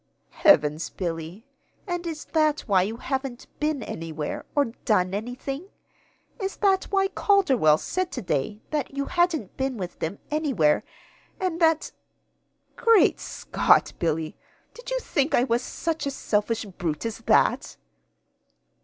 "Heavens, Billy! And is that why you haven't been anywhere, or done anything? Is that why Calderwell said to day that you hadn't been with them anywhere, and that Great Scott, Billy! Did you think I was such a selfish brute as that?"